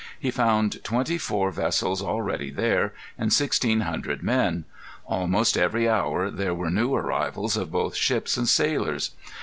He found twenty four vessels already there, and sixteen hundred men. Almost every hour there were new arrivals of both ships and sailors.